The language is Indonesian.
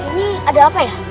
ini ada apa ya